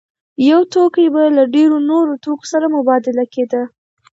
یو توکی به له ډېرو نورو توکو سره مبادله کېده